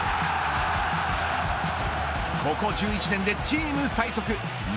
ここ１１年でチーム最速。